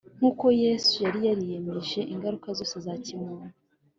” nk’uko Yesu yari yariyemeje ingaruka zose za kimuntu.